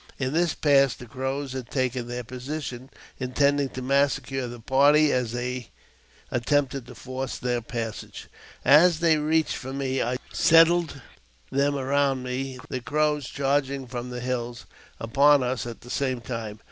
In this pass the Crows had taken their position, intending to massacre the party as they attempted to force their passage. 230 AUTOBIOGRAPHY OF As they reached me, I serried them around me, the Crows charging from the hills upon us at the same time.